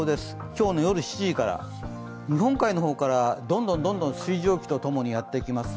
今日の夜７時から、日本海からどんどん水蒸気とともにやってきます。